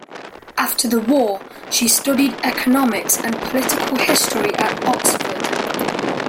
After the war, she studied economics and political history at Oxford.